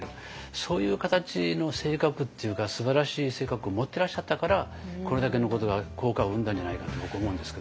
そういう形の性格っていうかすばらしい性格を持ってらっしゃったからこれだけのことが効果を生んだんじゃないかと僕思うんですけど。